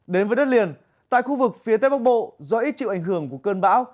đến với đất liền tại khu vực phía tây bắc bộ do ít chịu ảnh hưởng của cơn bão